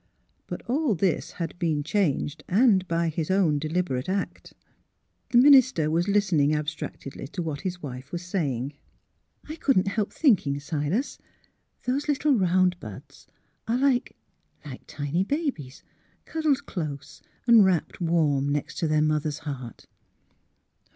But all this had been changed, and by his own deliber ate act. The minister was listening abstractedly to what his wife was saying: *' I couldn't help thinking, Silas, those little round buds are like — like tiny babies cuddled TRANSFIGURATION 29 close and wrapped warm next to their mother's heart."